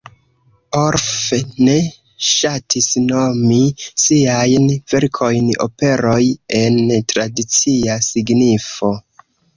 Orff ne ŝatis nomi siajn verkojn "operoj" en tradicia signifo.